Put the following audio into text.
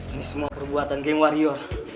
ini semua perbuatan geng wario